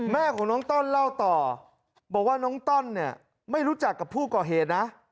แม่ของน้องต้อนเล่าต่อบอกว่าน้องต้อนเนี่ยไม่รู้จักกับผู้ก่อเหตุนะ